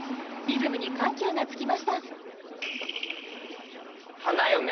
リズムに緩急がつきました。